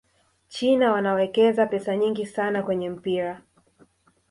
china wanawekeza pesa nyingi sana kwenye mpira